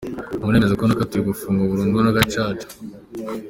Muremeza ko nakatiwe gufungwa burundu na gacaca.